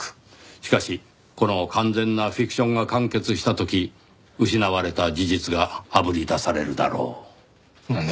「しかしこの完全なフィクションが完結した時失われた事実があぶり出されるだろう」なんだ？